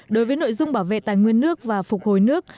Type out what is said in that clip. đối với nội dung bảo vệ tài nguyên nước và phục hồi nước